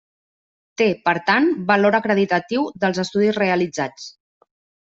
Té, per tant, valor acreditatiu dels estudis realitzats.